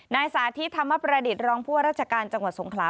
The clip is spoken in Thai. สาธิตธรรมประดิษฐ์รองผู้ว่าราชการจังหวัดสงขลา